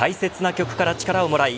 曲から力をもらい